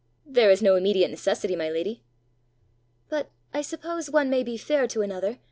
"There is no immediate necessity, my lady." "But I suppose one may be fair to another!"